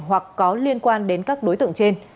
hoặc có liên quan đến các đối tượng trên